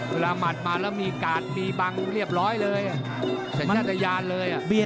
เวลามัดมาแล้วมีกาดมีบังเรียบร้อยเลย